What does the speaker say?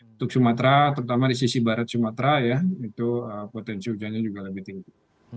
untuk sumatera terutama di sisi barat sumatera ya itu potensi hujannya juga lebih tinggi